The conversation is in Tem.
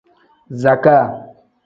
Zakaa.